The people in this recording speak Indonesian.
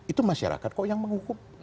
itu masyarakat kok yang menghukum